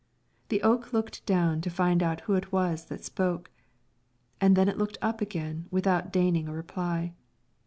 The oak looked down to find out who it was that spoke, and then it looked up again without deigning a reply.